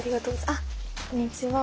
あっこんにちは。